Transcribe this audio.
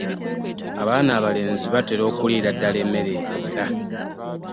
Abaana abalenzi batera okuliira ddala emmere ewera.